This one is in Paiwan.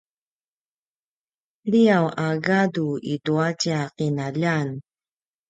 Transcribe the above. liyaw a gadu itua tja qinaljan